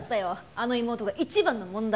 あの妹が一番の問題。